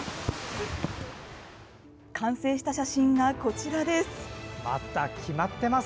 完成した写真がこちらです。